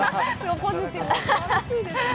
ポジティブですね。